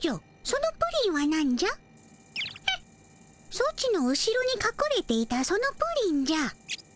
ソチの後ろにかくれていたそのプリンじゃ。